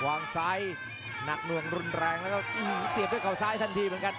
วางซ้ายหนักหน่วงรุนแรงแล้วก็เสียบด้วยเขาซ้ายทันทีเหมือนกัน